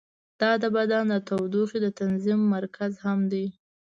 دا د بدن د تودوخې د تنظیم مرکز هم دی.